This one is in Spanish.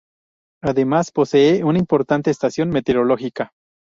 Además posee una importante estación meteorológica.